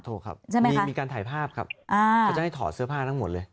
โทรครับมีการถ่ายภาพครับเขาจะให้ถอดเสื้อผ้าทั้งหมดเลย